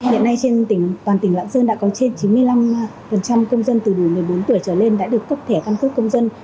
hiện nay trên toàn tỉnh lạng sơn đã có trên chín mươi năm công dân từ đủ một mươi bốn tuổi trở lên đã được cấp thẻ căn cước công dân